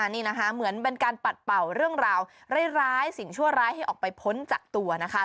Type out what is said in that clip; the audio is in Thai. นี่นะคะเหมือนเป็นการปัดเป่าเรื่องราวร้ายสิ่งชั่วร้ายให้ออกไปพ้นจากตัวนะคะ